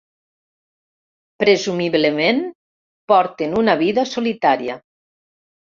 Presumiblement, porten una vida solitària.